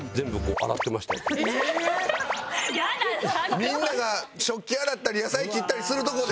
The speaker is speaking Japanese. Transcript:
みんなが食器洗ったり野菜切ったりするとこで？